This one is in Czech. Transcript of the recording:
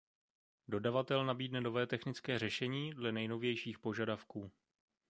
Dodavatel nabídne nové technické řešení dle nejnovějších požadavků.